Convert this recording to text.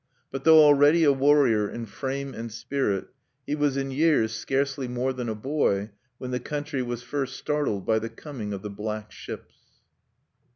But though already a warrior in frame and spirit, he was in years scarcely more than a boy when the country was first startled by the coming of the Black Ships.